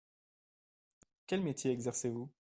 Quel métier exercez-vous ?